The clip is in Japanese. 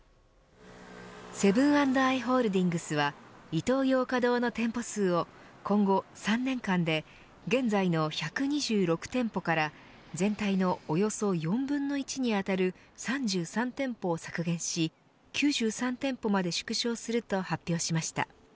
セブン＆アイ・ホールディングスはイトーヨーカ堂の店舗数を今後３年間で現在の１２６店舗から全体のおよそ４分の１に当たる３３店舗を削減し９３店舗まで縮小すると発表しました。